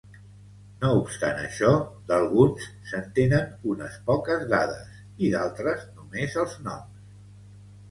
No obstant això, d'alguns se'n tenen unes poques dades i d'altres només els noms.